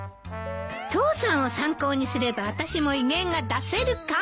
父さんを参考にすればあたしも威厳が出せるかも。